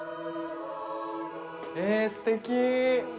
ええ、すてき。